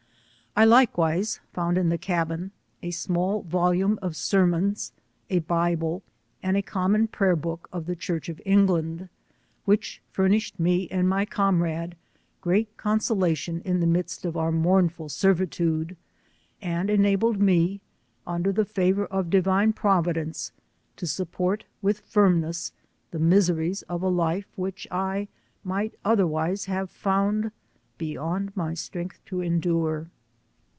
1 likewise found in the cabin, a small volume of sermons, a bible, and a common prayer book of the Church of England, which fur nished me and my comrade great consolation in ttie midst of our mournful servitude, and enabled me, under the favour of Divine Providence, to sup port, with firmness, the miseries of a life which 1 might otherwise have found beyond my strength to endure.